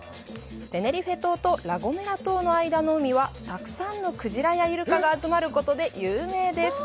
テネリフェ島とラ・ゴメラ島の間の海はたくさんのクジラやイルカが集まることで有名です。